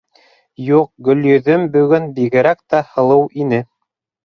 Юҡ, Гөлйөҙөм бөгөн бигерәк тә һылыу ине.